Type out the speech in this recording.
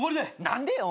何でよ